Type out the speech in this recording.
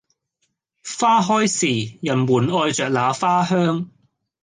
花開時；人們愛著那花香